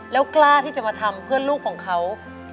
แล้วกล้าที่จะมาทำเพื่อนลูกของเขา